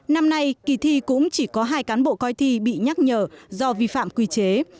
năm nay kỳ thi cũng chỉ có hai cán bộ coi thi bị nhắc nhở do vi phạm quy chế